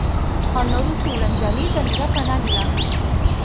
El nou d'octubre en Genís anirà a Penàguila.